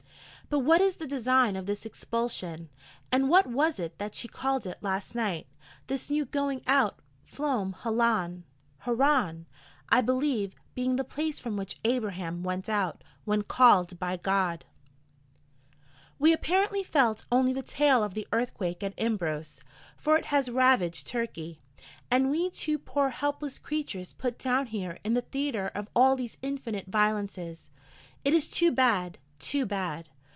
But what is the design of this expulsion? And what was it that she called it last night? 'this new going out flom Halan'! 'Haran,' I believe, being the place from which Abraham went out, when 'called' by God. We apparently felt only the tail of the earthquake at Imbros: for it has ravaged Turkey! And we two poor helpless creatures put down here in the theatre of all these infinite violences: it is too bad, too bad.